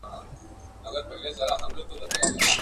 د ښکلیو نجونو شاپېریو وطن.